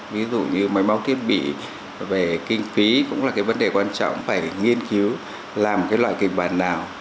ví dụ như máy móc thiết bị về kinh phí cũng là cái vấn đề quan trọng phải nghiên cứu làm cái loại kịch bản nào